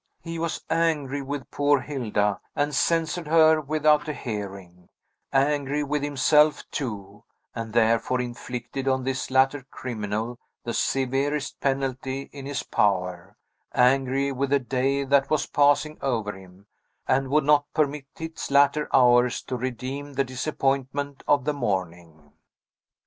He was angry with poor Hilda, and censured her without a hearing; angry with himself, too, and therefore inflicted on this latter criminal the severest penalty in his power; angry with the day that was passing over him, and would not permit its latter hours to redeem the disappointment of the morning.